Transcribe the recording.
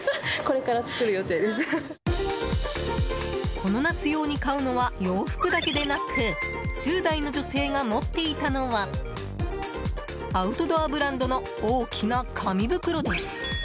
この夏用に買うのは洋服だけでなく１０代の女性が持っていたのはアウトドアブランドの大きな紙袋です。